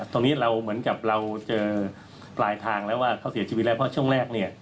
ตรงนี้เราเหมือนกับเราเจอปลายทางแล้วว่าเขาเสียชีวิตแล้วเพราะช่วงแรกเนี่ย